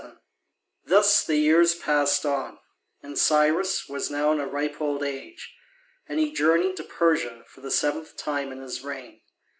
7] Thus the years passed on, and Cyrus was now in a ripe old age, and he journeyed to Persia for the seventh time in his reign.